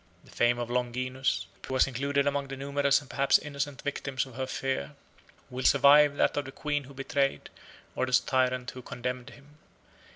The fame of Longinus, who was included among the numerous and perhaps innocent victims of her fear, will survive that of the queen who betrayed, or the tyrant who condemned him.